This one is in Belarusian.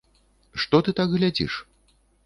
Што ты так глядзіш?